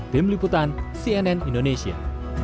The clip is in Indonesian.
pembeliputan cnn indonesia